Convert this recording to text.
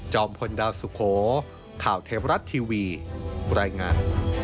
พลดาวสุโขข่าวเทวรัฐทีวีรายงาน